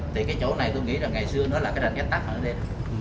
thì cái chỗ này tôi nghĩ là ngày xưa nó là cái đàn ghét tắc mà nó đem